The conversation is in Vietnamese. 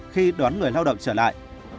khi đón người lao động trở lại